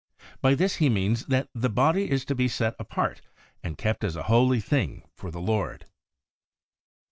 By this he means that the body is to be set apart and kept as a holy thing for the Lord.